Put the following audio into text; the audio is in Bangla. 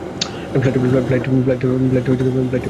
ফ্লাইটটা উপভোগ কোরো!